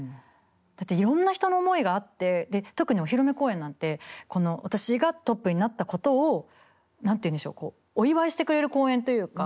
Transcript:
だっていろんな人の思いがあってで特にお披露目公演なんて私がトップになったことを何ていうんでしょうお祝いしてくれる公演というか。